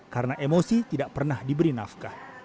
yang pernah diberi nafkah